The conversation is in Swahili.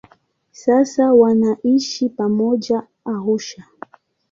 Sasa wanaishi pamoja Arusha.